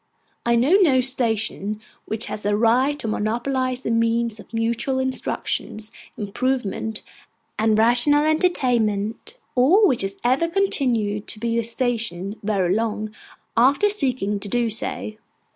I know no station which has a right to monopolise the means of mutual instruction, improvement, and rational entertainment; or which has ever continued to be a station very long, after seeking to do so.